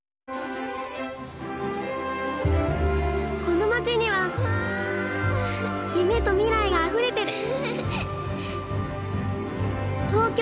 この街には夢と未来があふれてる。